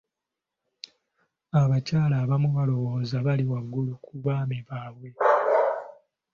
Abakyala abamu baalowooza bali waggulu ku baami baabwe.